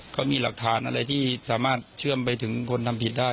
เขามีหลักฐานอะไรที่สามารถเชื่อมไปถึงคนทำผิดได้